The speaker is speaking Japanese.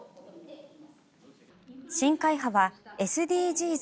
新会派はＳＤＧｓ